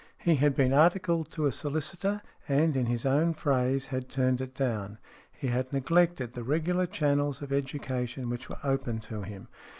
He had been articled to a solicitor, and, in his own phrase, had turned it down. He had neglected the regular channels of education which were open to him.